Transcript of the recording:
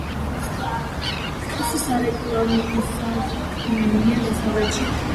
მსგავსი სარკმელია დასავლეთის კედელში, ხოლო ორ-ორი გრძივ კედლებში, ასევე საკურთხეველში.